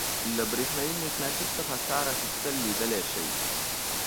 له برېښنايي مقناطیس څخه کار اخیستل لیدلی شئ.